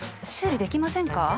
修理できませんか？